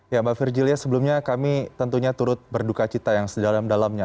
ya mbak virgilia sebelumnya kami tentunya turut berduka cita yang sedalam dalamnya